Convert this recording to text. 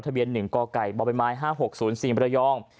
ทะเบียนหนึ่งกกบม๕๖๐สีมรยอง